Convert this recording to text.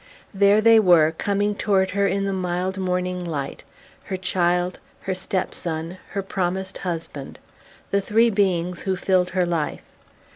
There they were, coming toward her in the mild morning light, her child, her step son, her promised husband: the three beings who filled her life.